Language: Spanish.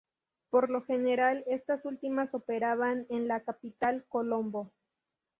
Por lo general estas últimas operaban en la capital, Colombo.